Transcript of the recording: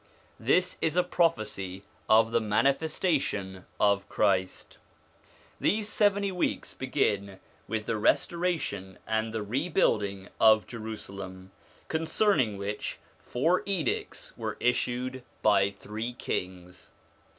This is a prophecy of the manifestation of Christ. These seventy weeks begin with the restora tion and the rebuilding of Jerusalem, concerning which four edicts were issued by three kings.